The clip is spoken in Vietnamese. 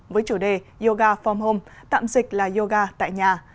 với chủ đề yoga form home tạm dịch là yoga tại nhà